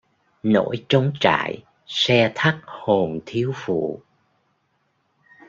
Nỗi trống trải se thắt hồn thiếu phụ